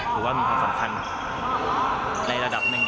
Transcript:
ถือว่ามีความสำคัญในระดับหนึ่ง